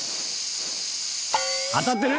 当たってる？